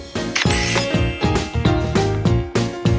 เสร็จแล้วค่ะ